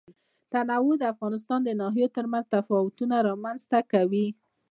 تنوع د افغانستان د ناحیو ترمنځ تفاوتونه رامنځ ته کوي.